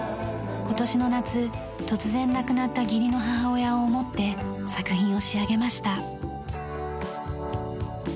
今年の夏突然亡くなった義理の母親を思って作品を仕上げました。